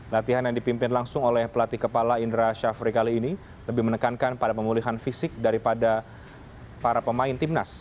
latihan yang dipimpin langsung oleh pelatih kepala indra syafri kali ini lebih menekankan pada pemulihan fisik daripada para pemain timnas